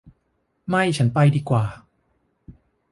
ไม่ ฉันไปดีกว่า